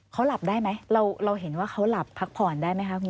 เขาหลับได้ไหมเราเห็นว่าเขาหลับพักผ่อนได้ไหมคะคุณ